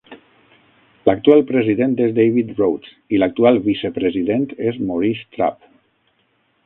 L'actual president és David Rhodes i l'actual vicepresident és Maurice Trapp.